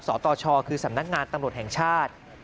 สตชคือสำนักงานตำรวจแห่งชาติ